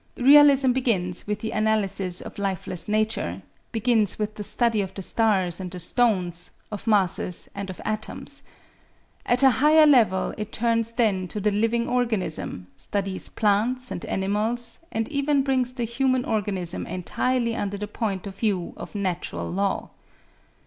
Realism begins with the analysis of lifeless nature, begins with the study of the stars and the stones, of masses and of atoms. At a higher level, it turns then to the living organism, studies plants and animals and even brings the human organism entirely under the point of view of natural law.